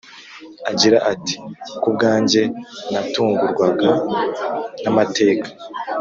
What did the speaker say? agira ati “ku bwanjye natungurwaga namateka